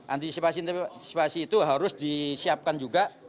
antisipasi antisipasi itu harus disiapkan juga